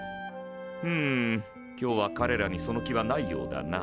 ふむ今日はかれらにその気はないようだな。